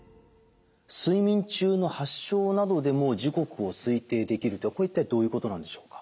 睡眠中の発症などでも時刻を推定できるとはこれ一体どういうことなんでしょうか？